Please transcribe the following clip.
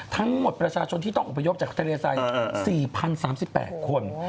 ทั้งหมดประชาชนที่ต้องอุปโยคจากทะเลไซน์๔๐๓๘คน